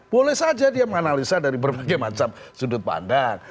boleh saja dia menganalisa dari berbagai macam sudut pandang